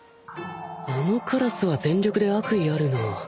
あの鴉は全力で悪意あるな